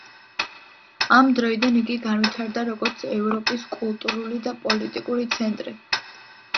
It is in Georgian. ამ დროიდან იგი განვითარდა, როგორც ევროპის კულტურული და პოლიტიკური ცენტრი.